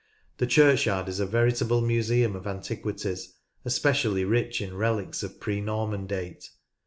The churchyard is a veritable museum of antiquities, especially rich in relics of pre Norman date.